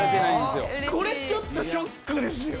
これちょっとショックですよ。